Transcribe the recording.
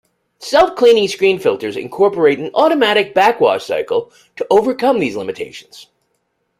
Self-cleaning screen filters incorporate an automatic backwash cycle to overcome these limitations.